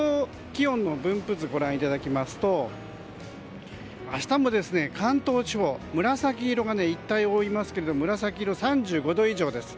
気温の分布図をご覧いただくと明日も関東地方、紫色が一帯を覆いますが紫色は３５度以上です。